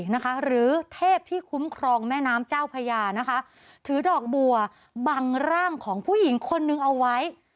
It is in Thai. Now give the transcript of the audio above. นะคะหรือเทพที่คุ้มครองแม่น้ำเจ้าพญานะคะถือดอกบัวบังร่างของผู้หญิงคนนึงเอาไว้